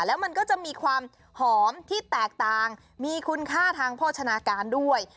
แล้วมันก็จะมีความหอมที่แตกต่างมีคุณค่าทางโภชนาการด้วย